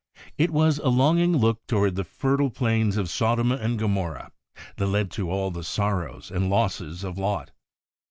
It was a longing look toward the fertile plains of Sodom and Gomorrah that led to all the sorrows and losses of Lot.